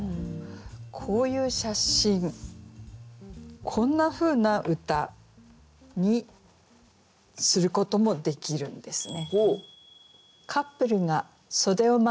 こういう写真こんなふうな歌にすることもできるんですね。